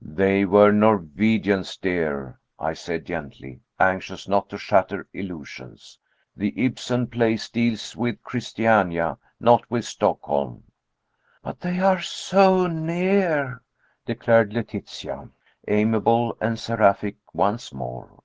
"They were Norwegians, dear," I said gently, anxious not to shatter illusions; "the Ibsen plays deal with Christiania, not with Stockholm." "But they are so near," declared Letitia, amiable and seraphic once more.